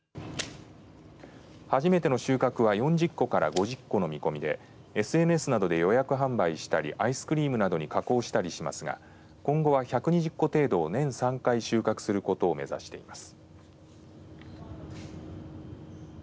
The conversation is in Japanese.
初めての収穫は４０個から５０個の見込みでＳＮＳなどで予約販売したりアイスクリームなどに加工したりしますが今後は１２０個程度を年３回収穫することを目指しています。